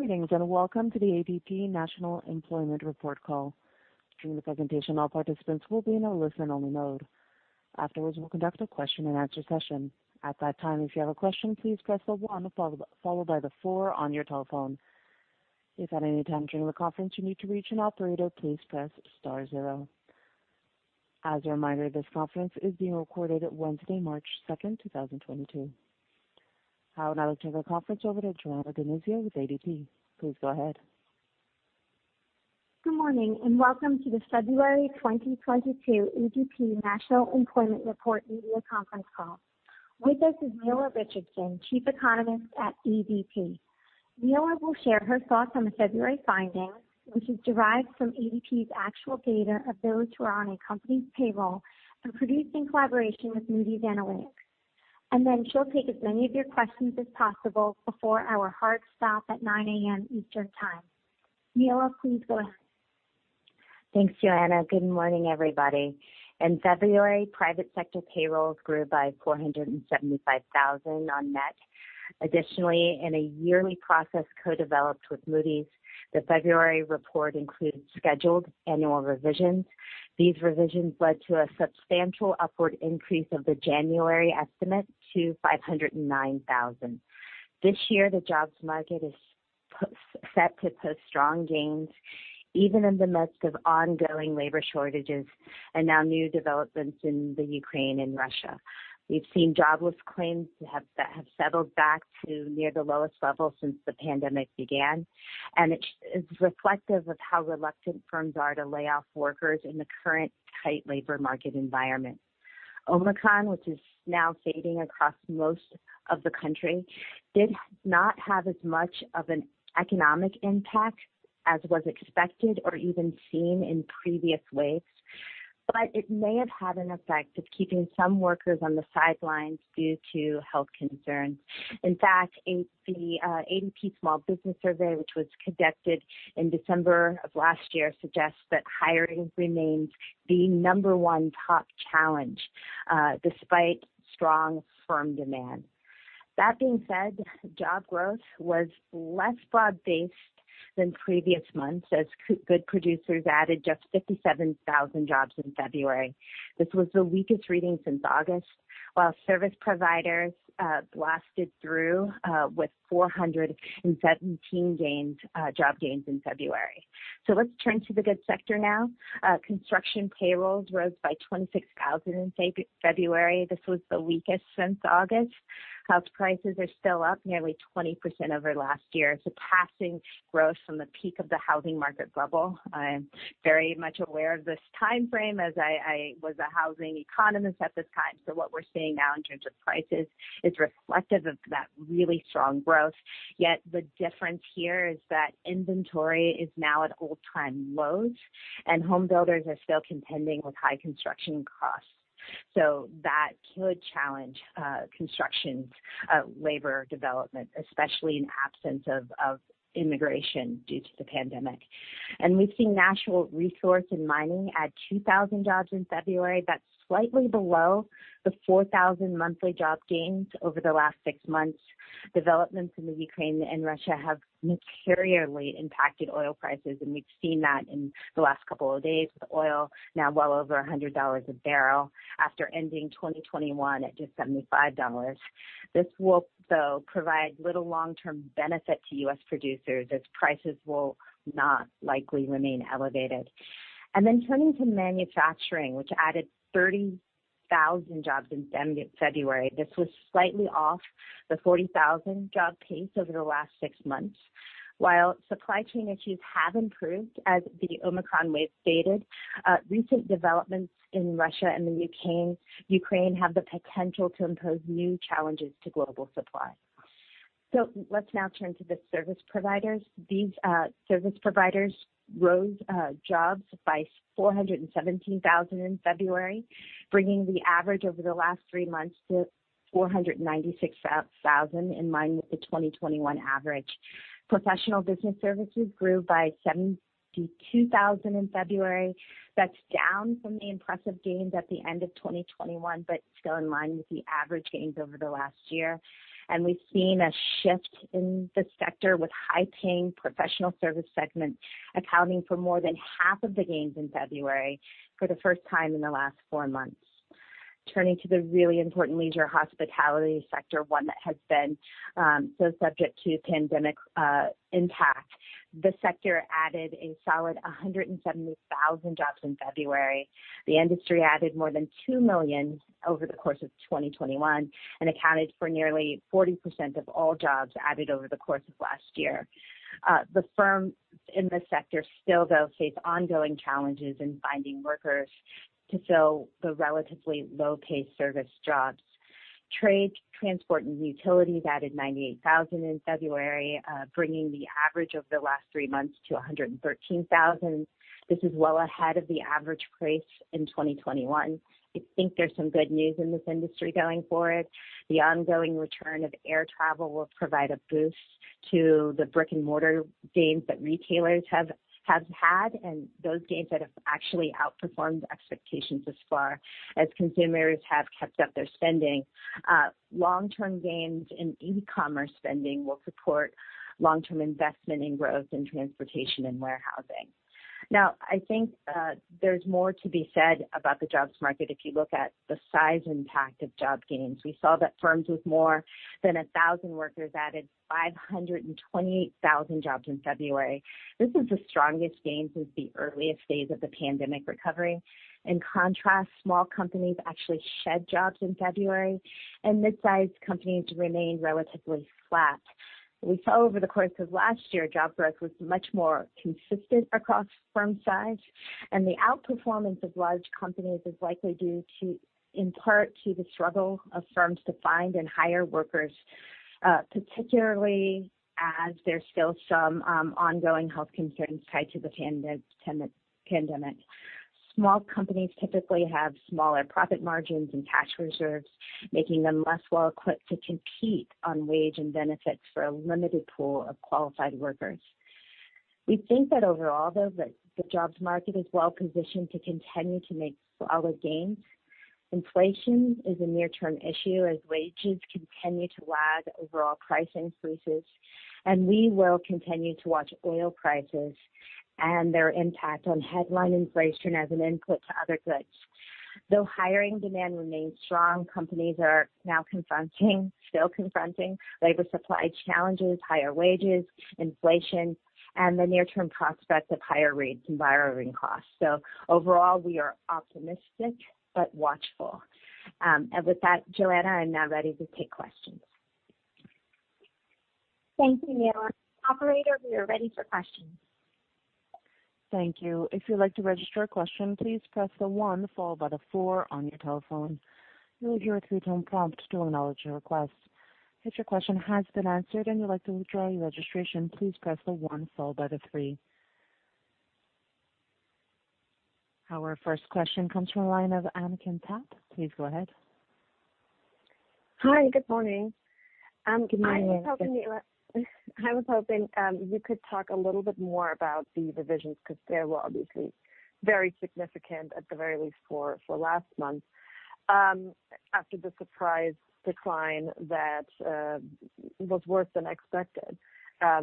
Greetings, and welcome to the ADP National Employment Report call. During the presentation, all participants will be in a listen-only mode. Afterwards, we'll conduct a question-and-answer session. At that time, if you have a question, please press the one followed by the four on your telephone. If at any time during the conference you need to reach an operator, please press star zero. As a reminder, this conference is being recorded Wednesday, March second, two thousand and twenty-two. Now I will turn the conference over to Joanna DiNizio with ADP. Please go ahead. Good morning, and welcome to the February 2022 ADP National Employment Report media conference call. With us is Nela Richardson, Chief Economist at ADP. Nela will share her thoughts on the February findings, which is derived from ADP's actual data of those who are on a company's payroll and produced in collaboration with Moody's Analytics. Then she'll take as many of your questions as possible before our hard stop at 9 A.M. Eastern Time. Nela, please go ahead. Thanks, Joanna. Good morning, everybody. In February, private sector payrolls grew by 475,000 on net. Additionally, in a yearly process co-developed with Moody's, the February report includes scheduled annual revisions. These revisions led to a substantial upward increase of the January estimate to 509,000. This year, the jobs market is set to post strong gains even in the midst of ongoing labor shortages and now new developments in the Ukraine and Russia. We've seen jobless claims that have settled back to near the lowest level since the pandemic began, and it's reflective of how reluctant firms are to lay off workers in the current tight labor market environment. Omicron, which is now fading across most of the country, did not have as much of an economic impact as was expected or even seen in previous waves, but it may have had an effect of keeping some workers on the sidelines due to health concerns. In fact, the ADP Small Business Survey, which was conducted in December of last year, suggests that hiring remains the number one top challenge despite strong firm demand. That being said, job growth was less broad-based than previous months as goods producers added just 57,000 jobs in February. This was the weakest reading since August, while service providers added 417,000 job gains in February. Let's turn to the goods sector now. Construction payrolls rose by 26,000 in February. This was the weakest since August. House prices are still up nearly 20% over last year, surpassing growth from the peak of the housing market bubble. I'm very much aware of this timeframe as I was a housing economist at this time. What we're seeing now in terms of prices is reflective of that really strong growth. Yet the difference here is that inventory is now at all-time lows and home builders are still contending with high construction costs. That could challenge construction's labor development, especially in absence of immigration due to the pandemic. We've seen natural resource and mining add 2,000 jobs in February. That's slightly below the 4,000 monthly job gains over the last six months. Developments in the Ukraine and Russia have materially impacted oil prices, and we've seen that in the last couple of days, with oil now well over $100 a barrel after ending 2021 at just $75. This will, though, provide little long-term benefit to U.S. producers as prices will not likely remain elevated. Turning to manufacturing, which added 30,000 jobs in February. This was slightly off the 40,000 job pace over the last six months. While supply chain issues have improved as the Omicron wave faded, recent developments in Russia and the Ukraine have the potential to impose new challenges to global supply. Let's now turn to the service providers. These service providers rose jobs by 417,000 in February, bringing the average over the last three months to 496,000 in line with the 2021 average. Professional business services grew by 72,000 in February. That's down from the impressive gains at the end of 2021, but still in line with the average gains over the last year. We've seen a shift in the sector with high-paying professional service segments accounting for more than half of the gains in February for the first time in the last four months. Turning to the really important leisure hospitality sector, one that has been so subject to pandemic impact. The sector added a solid 170,000 jobs in February. The industry added more than 2 million over the course of 2021 and accounted for nearly 40% of all jobs added over the course of last year. The firms in this sector still, though, face ongoing challenges in finding workers to fill the relatively low-paid service jobs. Trade, transport, and utilities added 98,000 in February, bringing the average over the last three months to 113,000. This is well ahead of the average pace in 2021. I think there's some good news in this industry going forward. The ongoing return of air travel will provide a boost to the brick and mortar gains that retailers have had, and those gains that have actually outperformed expectations thus far as consumers have kept up their spending. Long-term gains in e-commerce spending will support long-term investment in growth in transportation and warehousing. Now, I think there's more to be said about the jobs market if you look at the size impact of job gains. We saw that firms with more than 1,000 workers added 528,000 jobs in February. This is the strongest gains since the earliest days of the pandemic recovery. In contrast, small companies actually shed jobs in February, and mid-sized companies remained relatively flat. We saw over the course of last year, job growth was much more consistent across firm size, and the outperformance of large companies is likely due to, in part, the struggle of firms to find and hire workers, particularly as there's still some ongoing health concerns tied to the pandemic. Small companies typically have smaller profit margins and cash reserves, making them less well-equipped to compete on wage and benefits for a limited pool of qualified workers. We think that overall, though, the jobs market is well-positioned to continue to make solid gains. Inflation is a near-term issue as wages continue to lag overall price increases, and we will continue to watch oil prices and their impact on headline inflation as an input to other goods. Though hiring demand remains strong, companies are still confronting labor supply challenges, higher wages, inflation, and the near-term prospects of higher rates and borrowing costs. Overall, we are optimistic but watchful. With that, Joanna, I'm now ready to take questions. Thank you, Nela. Operator, we are ready for questions. Thank you. If you'd like to register a question, please press the one followed by the four on your telephone. You'll hear a two-tone prompt to acknowledge your request. If your question has been answered and you'd like to withdraw your registration, please press the one followed by the three. Our first question comes from the line of Anneken Tappe. Please go ahead. Hi, good morning. Good morning. I was hoping, Nela, you could talk a little bit more about the revisions because they were obviously very significant at the very least for last month after the surprise decline that was worse than expected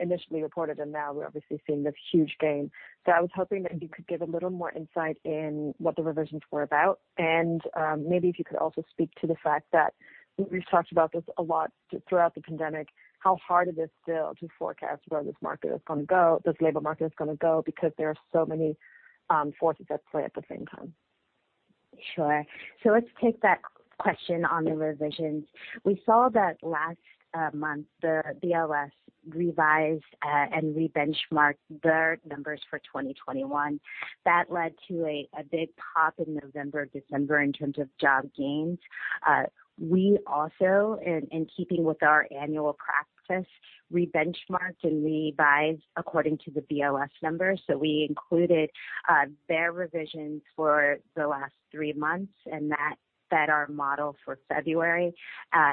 initially reported, and now we're obviously seeing this huge gain. I was hoping that you could give a little more insight in what the revisions were about. Maybe if you could also speak to the fact that we've talked about this a lot throughout the pandemic, how hard it is still to forecast where this market is gonna go this labor market is gonna go because there are so many forces at play at the same time. Sure. Let's take that question on the revisions. We saw that last month, the BLS revised and re-benchmarked their numbers for 2021. That led to a big pop in November, December in terms of job gains. We also, in keeping with our annual practice, re-benchmarked and revised according to the BLS numbers. We included their revisions for the last three months, and that fed our model for February.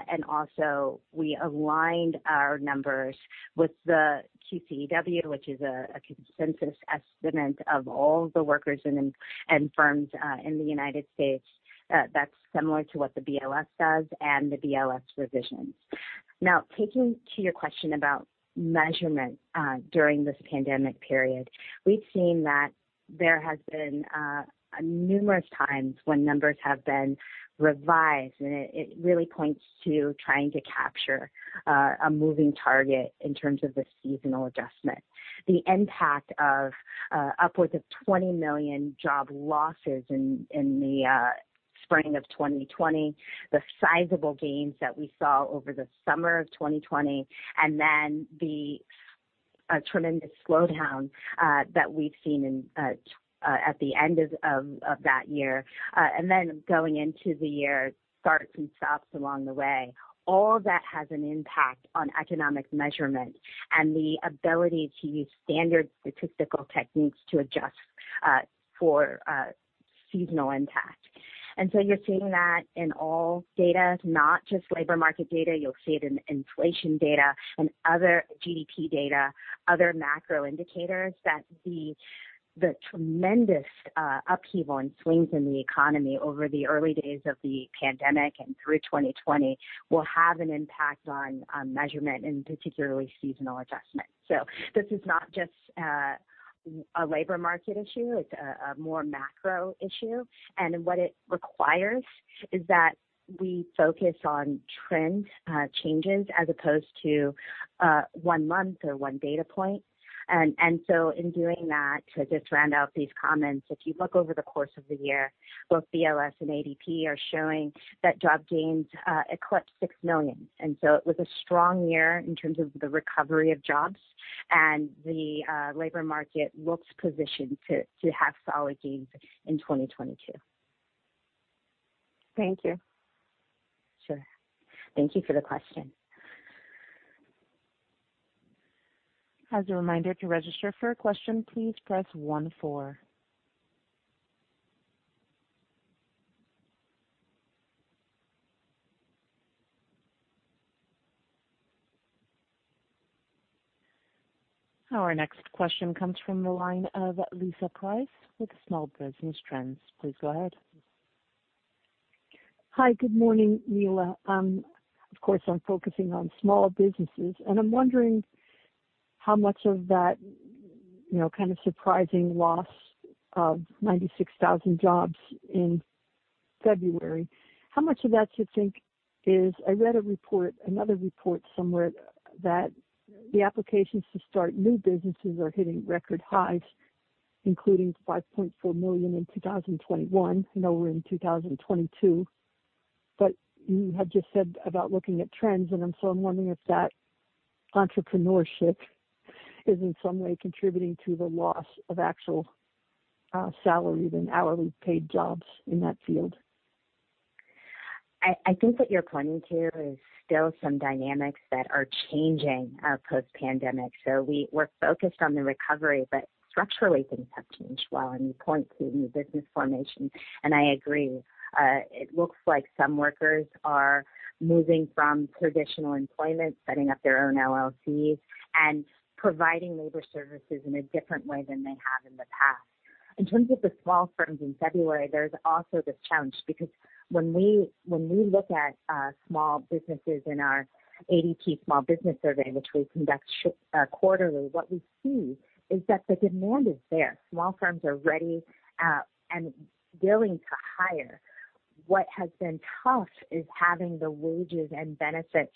We also aligned our numbers with the QCEW, which is a consensus estimate of all the workers and firms in the United States. That's similar to what the BLS does and the BLS revisions. Now, turning to your question about measurement, during this pandemic period, we've seen that there has been numerous times when numbers have been revised, and it really points to trying to capture a moving target in terms of the seasonal adjustment. The impact of upwards of 20 million job losses in the spring of 2020, the sizable gains that we saw over the summer of 2020, and then the tremendous slowdown that we've seen at the end of that year, and then going into the year starts and stops along the way. All that has an impact on economic measurement and the ability to use standard statistical techniques to adjust for seasonal impact. You're seeing that in all data, not just labor market data. You'll see it in inflation data and other GDP data, other macro indicators that the tremendous upheaval and swings in the economy over the early days of the pandemic and through 2020 will have an impact on measurement and particularly seasonal adjustment. This is not just a labor market issue, it's a more macro issue. What it requires is that we focus on trend changes as opposed to one month or one data point. In doing that, to just round out these comments, if you look over the course of the year, both BLS and ADP are showing that job gains eclipsed 6 million. It was a strong year in terms of the recovery of jobs and the labor market looks positioned to have solid gains in 2022. Thank you. Sure. Thank you for the question. As a reminder to register for a question please press one-four. Our next question comes from the line of Lisa Price with Small Business Trends. Please go ahead. Hi. Good morning, Nela. Of course, I'm focusing on small businesses, and I'm wondering how much of that, you know, kind of surprising loss of 96,000 jobs in February. How much of that you think is. I read a report, another report somewhere that the applications to start new businesses are hitting record highs, including 5.4 million in 2021. Now we're in 2022. You had just said about looking at trends, and so I'm wondering if that entrepreneurship is in some way contributing to the loss of actual, salaried and hourly paid jobs in that field. I think what you're pointing to is still some dynamics that are changing post-pandemic. We're focused on the recovery, but structurally things have changed well, and you point to new business formation, and I agree. It looks like some workers are moving from traditional employment, setting up their own LLCs and providing labor services in a different way than they have in the past. In terms of the small firms in February, there's also this challenge because when we look at small businesses in our ADP Small Business Survey, which we conduct quarterly, what we see is that the demand is there. Small firms are ready and willing to hire. What has been tough is having the wages and benefits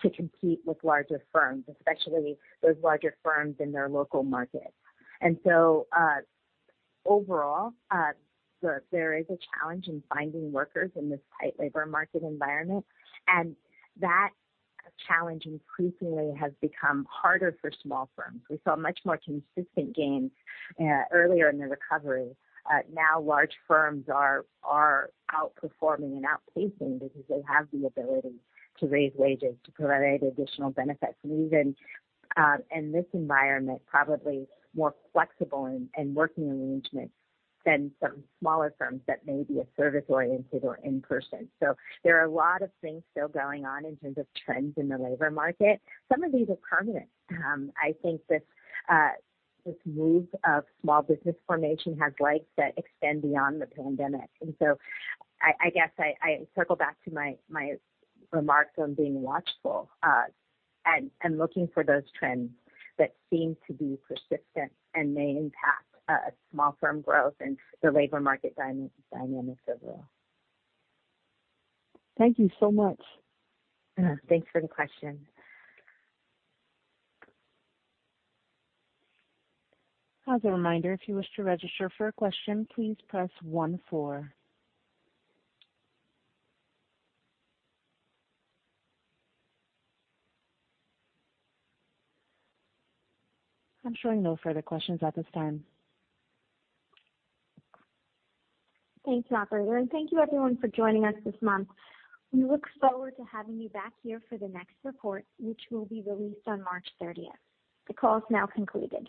to compete with larger firms, especially those larger firms in their local market. Overall, there is a challenge in finding workers in this tight labor market environment. That challenge increasingly has become harder for small firms. We saw much more consistent gains earlier in the recovery. Now large firms are outperforming and outpacing because they have the ability to raise wages, to provide additional benefits, and even in this environment, probably more flexible in working arrangements than some smaller firms that may be service-oriented or in-person. There are a lot of things still going on in terms of trends in the labor market. Some of these are permanent. I think this move of small business formation has legs that extend beyond the pandemic. I guess I circle back to my remarks on being watchful, and looking for those trends that seem to be persistent and may impact small firm growth and the labor market dynamics overall. Thank you so much. Thanks for the question. As a reminder, if you wish to register for a question, please press one-four. I'm showing no further questions at this time. Thanks, operator, and thank you everyone for joining us this month. We look forward to having you back here for the next report, which will be released on March 30th. The call is now concluded.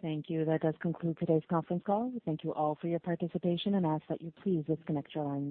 Thank you. That does conclude today's conference call. We thank you all for your participation and ask that you please disconnect your lines.